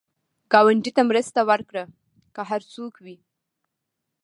ګاونډي ته مرسته وکړه، که هر څوک وي